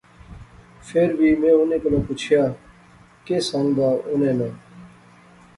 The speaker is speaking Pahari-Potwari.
فیر وی میں انیں کولا پچھیا۔۔۔ کہہ سنگ دا انے ناں؟